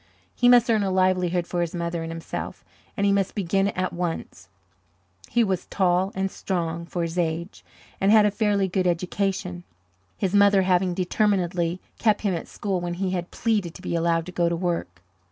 He must earn a livelihood for his mother and himself, and he must begin at once. He was tall and strong for his age, and had a fairly good education, his mother having determinedly kept him at school when he had pleaded to be allowed to go to work.